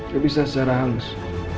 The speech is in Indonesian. saya bisa secara halus